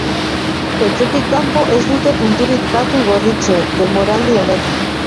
Etxetik kanpo ez dute punturik batu gorritxoek, denboraldi honetan.